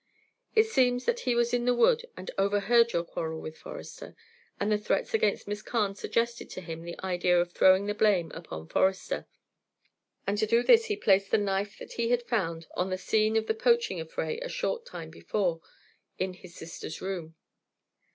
It seems that he was in the wood and overheard your quarrel with Forester, and the threats against Miss Carne suggested to him the idea of throwing the blame upon Forester, and to do this he placed the knife that he had found on the scene of the poaching affray a short time before, in his sister's room.